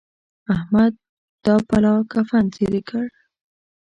احمد دا پلا کفن څيرې کړ.